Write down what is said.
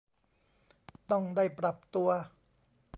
ต้องได้ปรับตัว